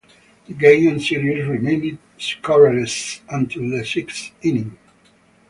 The game and Series remained scoreless until the sixth inning.